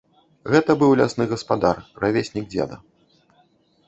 Гэта быў лясны гаспадар, равеснік дзеда.